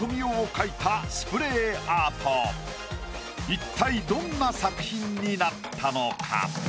一体どんな作品になったのか？